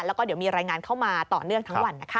แล้วก็เดี๋ยวมีรายงานเข้ามาต่อเนื่องทั้งวันนะคะ